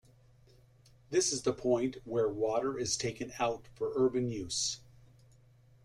This is the point where water is taken out for urban use.